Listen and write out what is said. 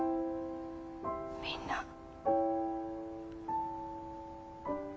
みんな。